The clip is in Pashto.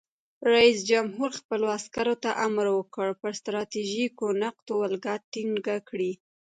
رئیس جمهور خپلو عسکرو ته امر وکړ؛ پر ستراتیژیکو نقطو ولکه ټینګه کړئ!